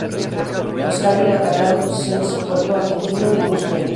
Los Harrier atacaron posiciones en Puerto Argentino y Goose Green.